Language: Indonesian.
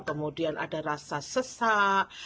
kemudian ada rasa sesak